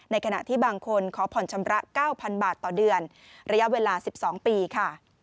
ขณะที่บางคนขอผ่อนชำระ๙๐๐บาทต่อเดือนระยะเวลา๑๒ปีค่ะ